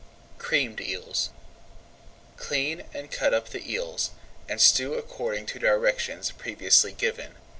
CREAMED EELS Clean and cut up the eels, and stew according to directions previously given.